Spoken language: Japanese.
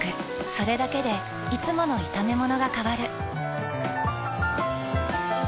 それだけでいつもの炒めものが変わる。